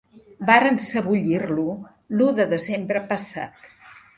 Varen sebollir-lo l'u de desembre passat.